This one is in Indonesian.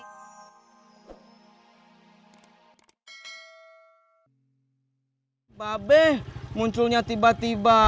mbak beb munculnya tiba tiba